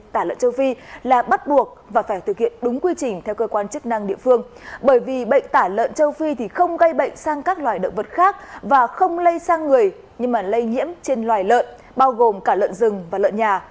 thịt tiêu hủy bao gồm cả lợn rừng và lợn nhà